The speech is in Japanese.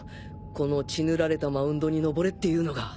この「血塗られたマウンドに登れ」っていうのが。